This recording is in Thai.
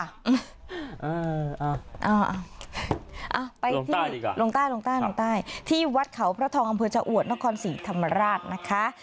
อ่าไปที่ลงใต้ลงใต้ลงใต้ที่วัดเขาพระทองอำเภอชะอวดนครศรีธรรมราชนะคะ